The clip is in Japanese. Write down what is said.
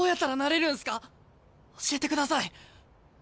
教えてください。